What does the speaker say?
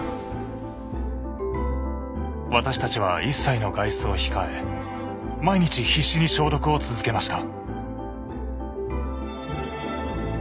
私たちは一切の外出を控え毎日必死に消毒を続けました。